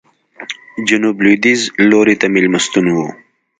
جنوب لوېدیځ لوري ته مېلمستون و.